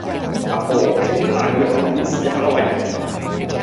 阿婆，整碗瀨尿牛丸試吓啦喂